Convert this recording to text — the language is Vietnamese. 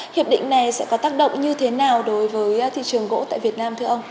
hiệp định này sẽ có tác động như thế nào đối với thị trường gỗ tại việt nam thưa ông